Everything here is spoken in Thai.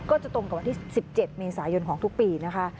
ตรงกับวันที่๑๗เมษายนของทุกปีนะคะ